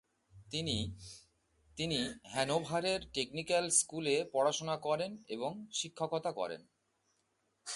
তিনি হ্যানোভারের টেকনিক্যাল স্কুলে পড়াশোনা করেন এবং শিক্ষকতা করেন।